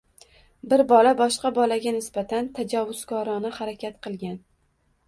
Bir bola boshqa bolaga nisbatan tajovuzkorona harakat qilgan –